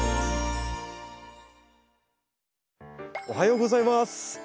おはようございます。